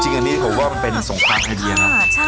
จริงอันนี้ผมว่ามันเป็นสงครามไอเดียนะ